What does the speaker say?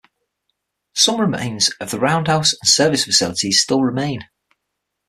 Some remains of the roundhouse and service facilities still remain.